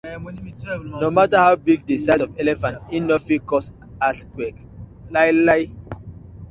No matta how big di size of elephant, e no fit cause earthquake lai la.